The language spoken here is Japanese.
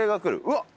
うわっ